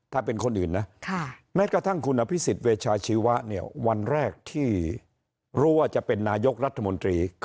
ถ้าเป็นคนอื่นนะแม้กระทั่งคุณอภิษฎเวชาชีวะเนี่ยวันแรกที่รู้ว่าจะเป็นนายกรัฐมนตรี